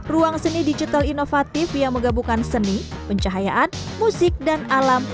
ruang seni digital inovatif yang menggabungkan seni pencahayaan musik dan alam